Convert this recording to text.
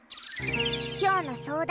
今日の相談。